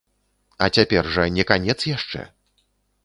А цяпер жа не канец яшчэ.